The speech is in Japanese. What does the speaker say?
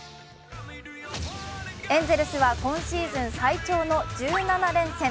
エンゼルスは今シーズン最長の１７連戦。